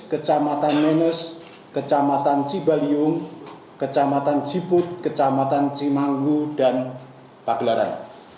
kecamatan menes kecamatan cibaliung kecamatan jiput kecamatan cimanggu dan pagelaran